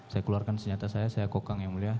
saya keluarkan senjata saya saya kokang yang mulia